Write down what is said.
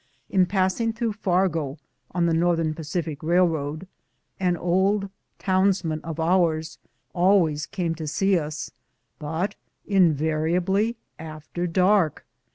In passing through Fargo, on the Northern Pacific Eailroad, an old townsman of ours always came to see us, but invari ably after dark.